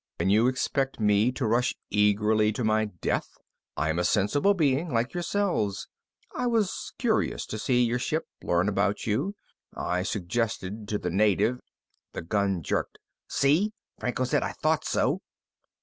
Can you expect me to rush eagerly to my death? I am a sensible being like yourselves. I was curious to see your ship, learn about you. I suggested to the native " The gun jerked. "See," Franco said. "I thought so."